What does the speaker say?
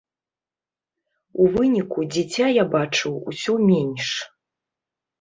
У выніку дзіця я бачыў усё менш.